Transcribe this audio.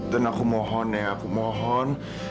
dan aku mohon ya aku mohon